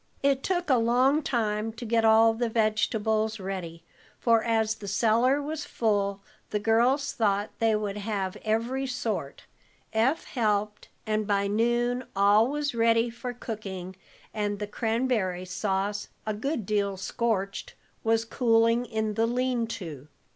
It took a long time to get all the vegetables ready, for, as the cellar was full, the girls thought they would have every sort. Eph helped, and by noon all was ready for cooking, and the cranberry sauce, a good deal scorched, was cooling in the lean to.